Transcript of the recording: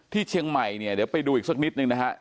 ที่เชียงใหม่เนี่ยเดี๋ยวไปดูอีกสักนิดนึงนะฮะ